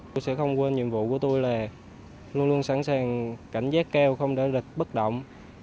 tôi sẽ không quên nhiệm vụ của tôi là luôn luôn sẵn sàng cảnh giác cao không để lịch bất động